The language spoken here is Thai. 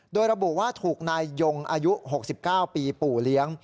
โดยระบุว่าถูกนายยงอายุ๖๙ปีปู่เลี้ยง